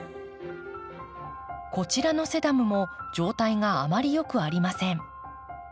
こちらのセダムも状態があまりよくありません。